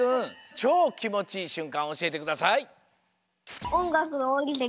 チョーきもちいいしゅんかんおしえてください。